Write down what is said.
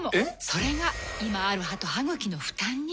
それが今ある歯と歯ぐきの負担に。